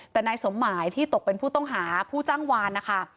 แต่นายสมหมายที่ตกเป็นผู้ต้องหาผู้จ้างวานนะคะ